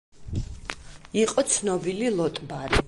იყო ცნობილი ლოტბარი.